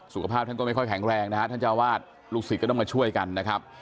สุขภาพท่านก็ไม่ค่อยแข็งแรงนะฮะท่านเจ้าวาดลูกศิษย์ก็ต้องมาช่วยกันนะครับ